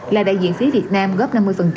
là đại diện phí việt nam góp năm mươi